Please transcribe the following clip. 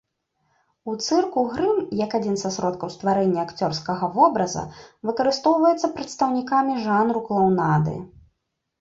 У цырку грым як адзін са сродкаў стварэння акцёрскага вобраза выкарыстоўваецца прадстаўнікамі жанру клаунады.